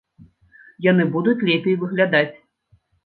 Яны будуць лепей выглядаць.